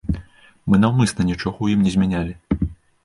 Мы наўмысна нічога ў ім не змянялі.